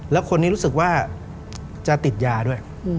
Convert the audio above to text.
แล้วคนนี้รู้สึกว่าจะติดยาด้วย